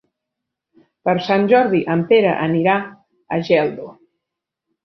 Per Sant Jordi en Pere anirà a Geldo.